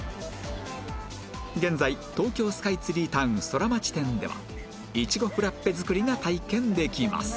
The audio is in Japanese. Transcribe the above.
現在東京スカイツリータウン・ソラマチ店ではいちごフラッペ作りが体験できます